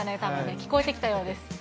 聞こえてきたようです。